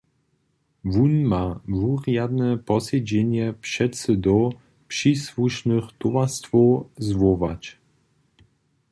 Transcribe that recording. Wón ma wurjadne posedźenje předsydow přisłušnych towarstwow zwołać.